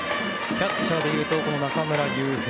キャッチャーでいうと中村悠平